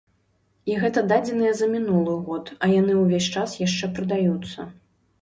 І гэта дадзеныя за мінулы год, а яны ўвесь час яшчэ прадаюцца.